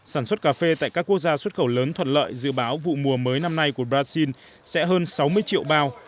sản xuất cà phê tại các quốc gia xuất khẩu lớn thuận lợi dự báo vụ mùa mới năm nay của brazil sẽ hơn sáu mươi triệu bao